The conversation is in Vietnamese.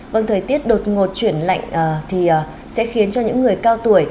vâng thời tiết đột ngột chuyển lạnh thì sẽ khiến cho những người cao tuổi